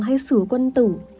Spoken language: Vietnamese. hay sửa quân tử